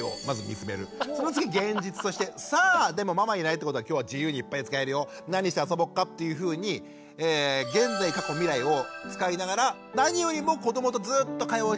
その次現実として「さあでもママいないってことは今日は自由にいっぱい使えるよ何して遊ぼっか」っていうふうに現在過去未来を使いながら何よりも子どもとずっと会話をし続けて見守るってこと。